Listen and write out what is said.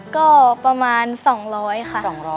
ก็ประมาณ๒๐๐ค่ะ